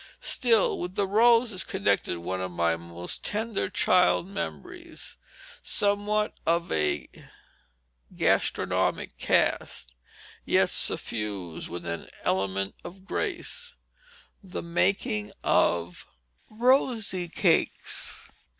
Still, with the rose is connected one of my most tender child memories, somewhat of a gastronomic cast, yet suffused with an element of grace, the making of "rosy cakes."